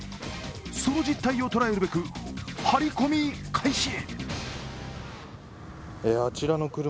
その実態を捉えるべくハリコミ開始。